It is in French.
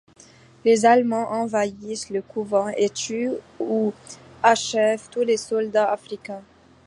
Les Allemands envahissent le couvent et tuent ou achèvent tous les soldats africains.